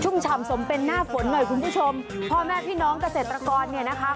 ฉ่ำสมเป็นหน้าฝนหน่อยคุณผู้ชมพ่อแม่พี่น้องเกษตรกรเนี่ยนะคะ